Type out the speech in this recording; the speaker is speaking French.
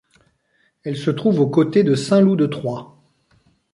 Elle se trouve aux côtés de saint Loup de Troyes.